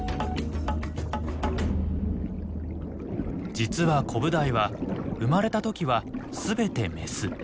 実はコブダイは生まれた時は全てメス。